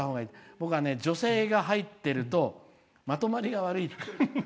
僕は女性が入っているとまとまりが悪いって。